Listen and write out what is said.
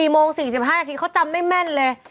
๔โมง๔๕นาทีเขาจำได้แม่นเลย